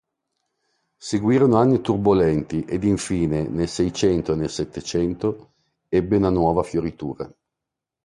Seguirono anni turbolenti ed infine, nel Seicento e nel Settecento, ebbe una nuova fioritura.